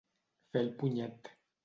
Fer el punyet.